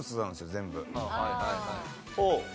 全部。